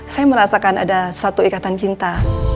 saya merasakan ada satu ikatan cinta